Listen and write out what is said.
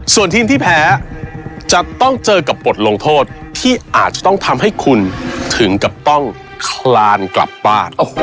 ส่วนทีมที่แพ้จะต้องเจอกับบทลงโทษที่อาจจะต้องทำให้คุณถึงกับต้องคลานกลับบ้าน